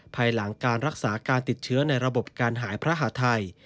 ภายหลังการรักษาการติดเชื้อในระบบการหายพระหาทัย